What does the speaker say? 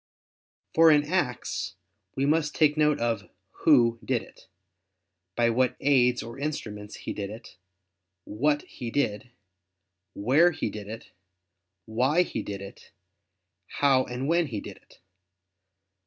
For in acts we must take note of "who" did it, "by what aids" or "instruments" he did it, "what" he did, "where" he did it, "why" he did it, "how" and "when" he did it.